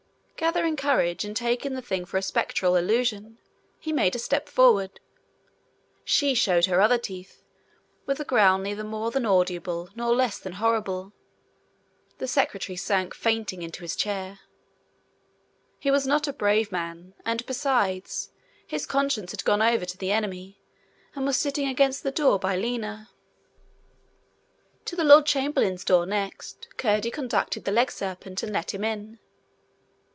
Gathering courage, and taking the thing for a spectral illusion, he made a step forward. She showed her other teeth, with a growl neither more than audible nor less than horrible. The secretary sank fainting into a chair. He was not a brave man, and besides, his conscience had gone over to the enemy, and was sitting against the door by Lina. To the lord chamberlain's door next, Curdie conducted the legserpent, and let him in.